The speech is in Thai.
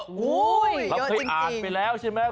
เยอะจริงเราเคยอ่านไปแล้วใช่ไหม